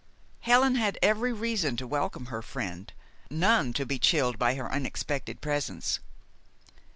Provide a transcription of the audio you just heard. Helen had every reason to welcome her friend, none to be chilled by her unexpected presence.